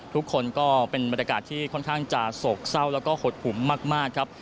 ทุกคนก็เป็นบรรยากาศที่ค่อนข้างจะโศกเศร้าแล้วก็หดหุมมากครับ